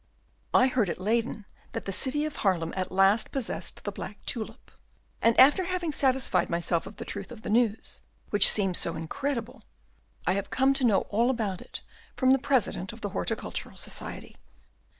I heard at Leyden that the city of Haarlem at last possessed the black tulip; and, after having satisfied myself of the truth of news which seemed so incredible, I have come to know all about it from the President of the Horticultural Society."